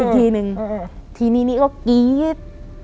ตรงนี้ก็กรี๊ด